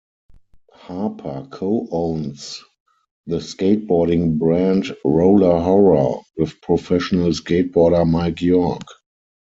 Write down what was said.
Harper co-owns the skateboarding brand Roller Horror with professional skateboarder Mike York.